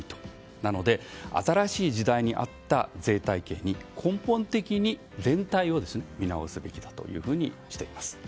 なので、新しい時代に合った税体系に根本的に全体を見直すべきだとしています。